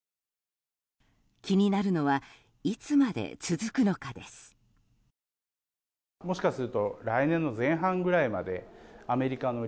気になるのはいつまで続くのかです。